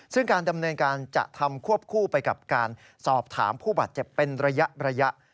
ซึ่งการดำเนินการจะทำควบคู่ไปกับการสอบถามผู้บาดเจ็บเป็นระยะ